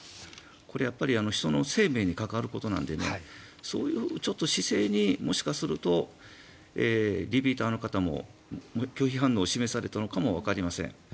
これ、やっぱり人の生命に関わることなのでそういう姿勢にもしかすると、リピーターの方も拒否反応を示されたのかもわかりません。